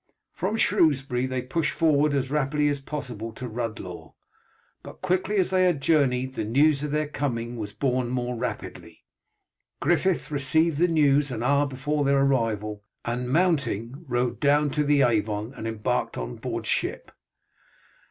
From Shrewsbury they pushed forward as rapidly as possible to Rhuddlaw; but quickly as they had journeyed, the news of their coming was borne more rapidly. Griffith received the news an hour before their arrival, and mounting, rode down to the Avon and embarked on board ship.